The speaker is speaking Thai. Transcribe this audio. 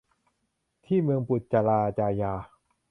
ที่เมืองปุจราจายา